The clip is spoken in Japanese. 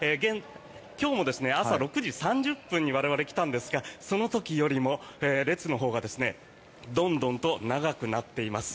今日も朝６時３０分に我々、来たんですがその時よりも列のほうがどんどんと長くなっています。